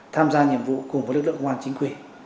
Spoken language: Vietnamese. tham gia nhiệm vụ cùng với lực lượng công an chính quy